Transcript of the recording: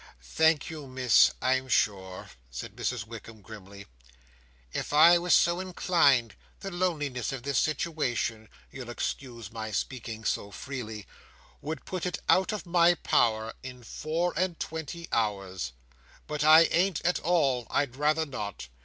"Thank you, Miss, I'm sure," said Mrs Wickam grimly. "If I was so inclined, the loneliness of this situation—you'll excuse my speaking so free—would put it out of my power, in four and twenty hours; but I ain't at all. I'd rather not.